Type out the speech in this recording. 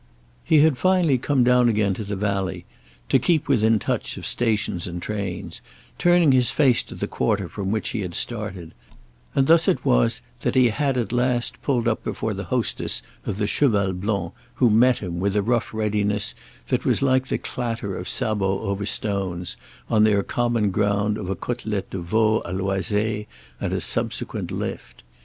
He had finally come down again to the valley, to keep within touch of stations and trains, turning his face to the quarter from which he had started; and thus it was that he had at last pulled up before the hostess of the Cheval Blanc, who met him, with a rough readiness that was like the clatter of sabots over stones, on their common ground of a côtelette de veau à l'oseille and a subsequent lift.